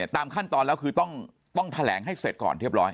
ตามขั้นตอนแล้วคือต้องแถลงให้เสร็จก่อนเรียบร้อย